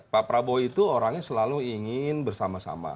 pak prabowo itu orangnya selalu ingin bersama sama